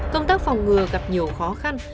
công tác phòng ngừa gặp nhiều khó khăn